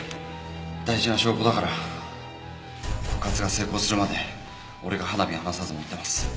大事な証拠だから告発が成功するまで俺が肌身離さず持ってます。